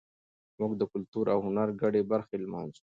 موږ د کلتور او هنر ګډې برخې لمانځو.